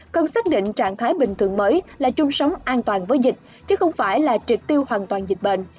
cần xác định trạng thái bình thường mới là chung sống an toàn với dịch chứ không phải là triệt tiêu hoàn toàn dịch bệnh